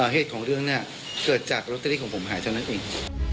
เหตุของเรื่องเนี่ยเกิดจากลอตเตอรี่ของผมหายเท่านั้นเอง